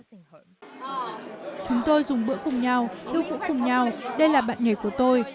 chúng tôi dùng bữa cùng nhau đưa phủ cùng nhau đây là bạn nghề của tôi